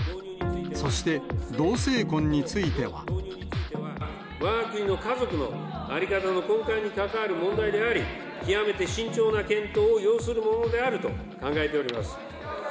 そして、わが国の家族の在り方の根幹にかかわる問題であり、極めて慎重な検討を要するものであると考えております。